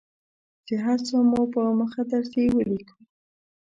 چې هر څه مو په مخه درځي ولیکو.